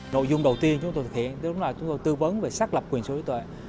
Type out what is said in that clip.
nội dung đầu tiên chúng tôi thực hiện đó là chúng tôi tư vấn về xác lập quyền số yếu tội